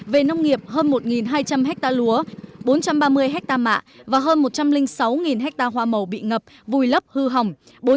về nông nghiệp hơn một hai trăm linh hectare lúa bốn trăm ba mươi ha mạ và hơn một trăm linh sáu ha hoa màu bị ngập vùi lấp hư hỏng